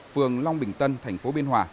phường long bình tân tp biên hòa